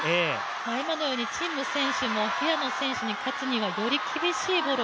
今のように陳夢選手も平野選手に勝つには、より厳しいボールを